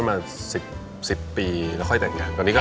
ก้าวเบื้องก้าว